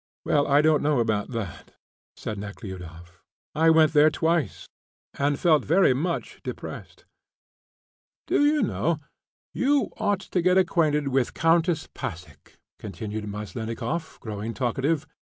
"Well, I don't know about that," said Nekhludoff. "I went there twice, and felt very much depressed." "Do you know, you ought to get acquainted with the Countess Passek," continued Maslennikoff, growing talkative.